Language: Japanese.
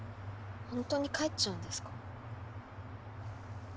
ほんとに帰っちゃうんですか？